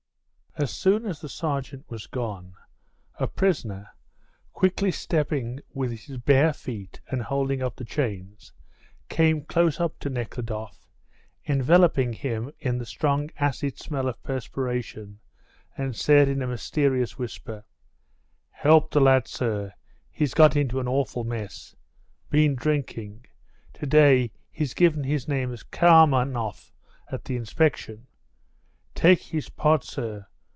As soon as the sergeant was gone a prisoner, quickly stepping with his bare feet and holding up the chains, came close up to Nekhludoff, enveloping him in the strong, acid smell of perspiration, and said in a mysterious whisper: "Help the lad, sir; he's got into an awful mess. Been drinking. To day he's given his name as Karmanoff at the inspection. Take his part, sir.